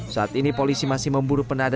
saat ini polisi masih memburu penadah sepeda